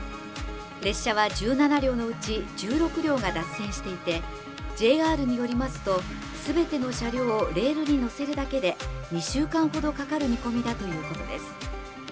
列車は１７両のうち１６両が脱線していて、ＪＲによりますと、すべての車両をレールに載せるだけで、２週間ほどかかる見込みだということです。